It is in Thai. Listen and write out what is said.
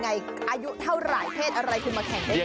อายุเท่าหลายเพศอะไรคือมาแข่งได้หมด